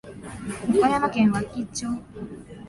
岡山県和気町